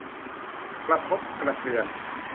กระทบกระเทือน